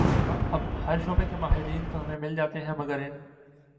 اب ہر شعبے کے ماہرین تو ہمیں مل جاتے ہیں مگر ان